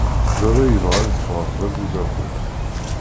Baba yebɣa ad d-fɣeɣ d abugatu.